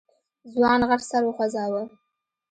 ځوان غټ سر وخوځوه.